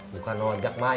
bukan lojak mah